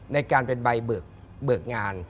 ในการเป็นใบเบิกงาน